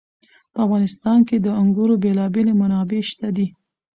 په افغانستان کې د انګورو بېلابېلې منابع شته دي.